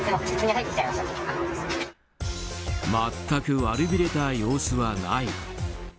全く悪びれた様子はない。